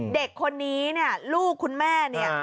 เด็กคนนี้เนี่ยลูกคุณแม่เนี่ย